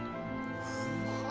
うわ。